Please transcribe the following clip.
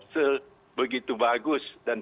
sebegitu bagus dan